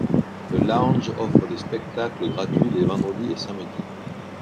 Le lounge offre des spectacles gratuits les vendredis et samedis.